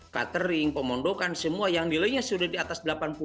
catering pemondokan semua yang nilainya sudah di atas delapan puluh